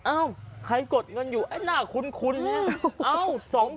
ใครกดเงินอยู่ไอ้หน้าคุ้นเนี่ย